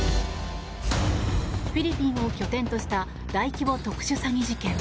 フィリピンを拠点とした大規模特殊詐欺事件。